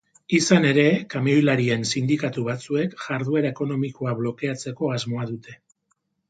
Izan ere, kamioilarien sindikatu batzuek jarduera ekonomikoa blokeatzeko asmoa dute.